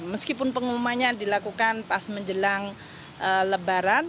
meskipun pengumumannya dilakukan pas menjelang lebaran